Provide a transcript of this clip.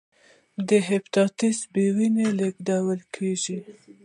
د هپاتایتس بي په وینه لېږدول کېږي.